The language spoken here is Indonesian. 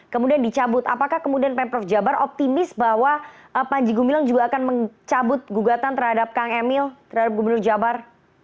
kemudian dicabut apakah kemudian pemprov jabar optimis bahwa panji gumilang juga akan mencabut gugatan terhadap kang emil terhadap gubernur jabar